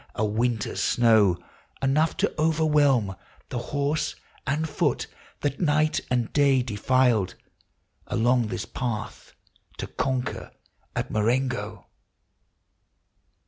217 A winter's snow, — enough to overwhelm The horse and foot that, night and day, defiled Along this path to conquer at Marengo."